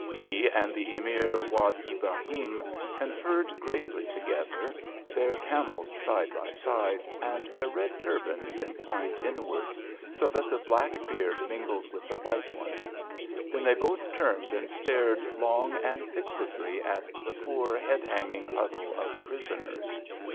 He and the Emir Wad Ibrahim conferred gravely together, their camels side by side, and their red turbans inclined inwards, so that the black beard mingled with the white one. Then they both turned and stared long and fixedly at the poor, head hanging huddle of prisoners.